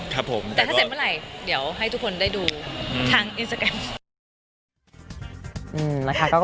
ครับผมแต่ถ้าเสร็จเมื่อไหร่เดี๋ยวให้ทุกคนได้ดูทางอินสตาแกรม